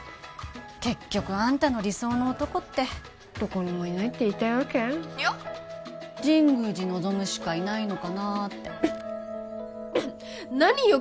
結局あんたの理想の男ってどこにもいないって言いたいわけいや神宮寺望しかいないのかなって何よ